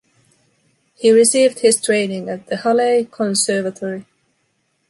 He received his training at the Halle conservatory.